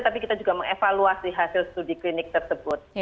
tapi kita juga mengevaluasi hasil studi klinik tersebut